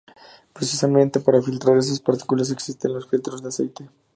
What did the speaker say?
Precisamente para filtrar esas partículas existen los filtros de aceite.